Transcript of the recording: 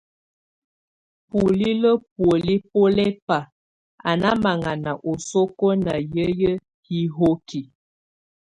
Bulilǝ́ bùóli bɔ́ lɛ́ ba á ná maŋana osókó ná hiǝ́yi hihoki.